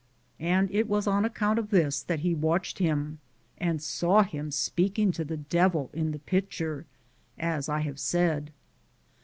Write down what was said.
And it was on account of this that he watched him and saw him speaking to the devil in the pitcher, as I have said.